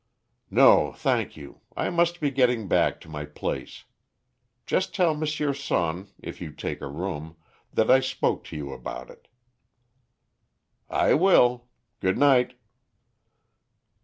"No, thank you, I must be getting back to my place. Just tell M. Sonne, if you take a room, that I spoke to you about it." "I will. Good night."